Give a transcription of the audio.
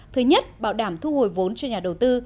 thứ nhất bảo đảm thu hồi vốn cho nhà đầu tư